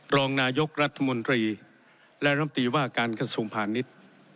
รองนายกรัฐมนตรีและลำดีวาการกระทรวงภัณฑ์นิต